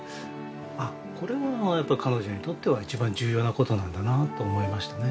あっこれはやっぱり彼女にとっては一番重要な事なんだなと思いましたね。